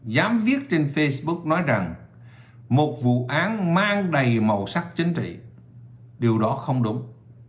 giám viết trên facebook nói rằng một vụ án mang đầy màu sắc chính trị điều đó không đúng